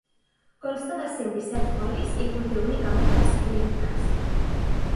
Consta de cent disset folis i conté únicament les Filípiques.